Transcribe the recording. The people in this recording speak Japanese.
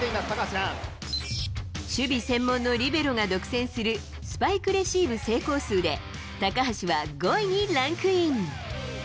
守備専門のリベロが独占するスパイクレシーブ成功数で高橋は５位にランクイン。